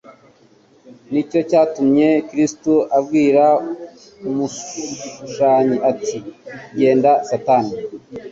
Nicyo cyatumye Kristo abwira umushukanyi ati : «Genda Satani!